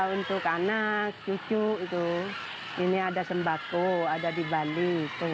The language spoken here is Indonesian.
untuk anak cucu ini ada sembako ada di bali